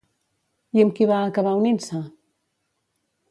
I amb qui va acabar unint-se?